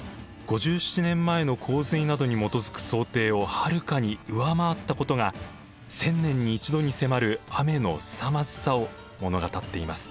５７年前の洪水などに基づく想定をはるかに上回ったことが１０００年に１度に迫る雨のすさまじさを物語っています。